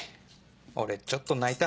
俺ちょっと泣いた。